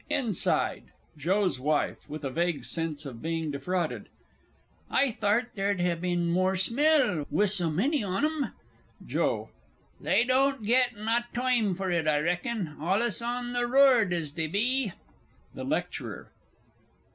_ INSIDE. JOE'S WIFE (with a vague sense of being defrauded). I thart thee'rd ha' bin moor smell, wi' so many on 'em! JOE. They doan't git naw toime for it, I reckon, allus on the rord as they be. THE LECTURER.